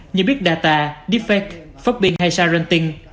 như biết data defect phất biên hay xa renting